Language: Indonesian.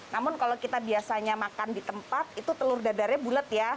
namun kalau kita biasanya makan di tempat itu telur dadarnya bulat ya